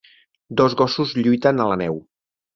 Dos gossos lluiten a la neu.